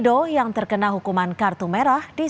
saya tidak meng chutab alternatif